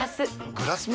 グラスも？